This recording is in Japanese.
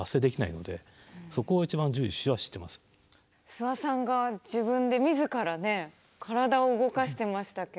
諏訪さんが自分で自らね体を動かしてましたけれど。